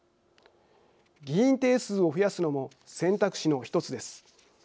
議員定数を増やすのも選択肢の１つです。